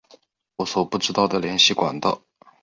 我所不知的联系管道